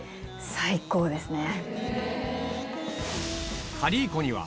最高ですね。